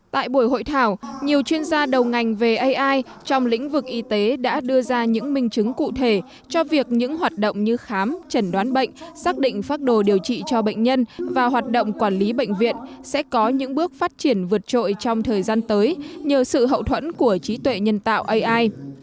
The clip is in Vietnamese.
tại buổi hội thảo nhiều chuyên gia đầu ngành về ai trong lĩnh vực y tế đã đưa ra những minh chứng cụ thể cho việc những hoạt động như khám trần đoán bệnh xác định phác đồ điều trị cho bệnh nhân và hoạt động quản lý bệnh viện sẽ có những bước phát triển vượt trội trong thời gian tới nhờ sự hậu thuẫn của trí tuệ nhân tạo ai